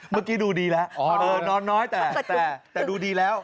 เมื่อกี้ดูดีแล้วนอนน้อยแต่ดูดีแล้ว